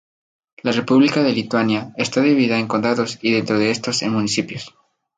La república de Lituania está dividida en condados y, dentro de estos, en municipios.